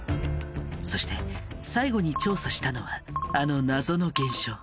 そして最後に調査したのはあの謎の現象。